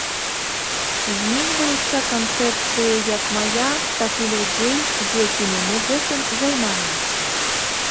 Зменьваюцца канцэпцыі як мая, так і людзей, з якімі мы гэтым займаемся.